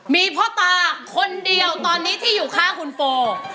มีพ่อตาคนเดียวตอนนี้ที่อยู่ข้างคุณโฟ